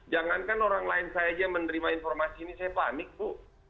jangankan orang lain saya aja menerima informasi ini saya panik bu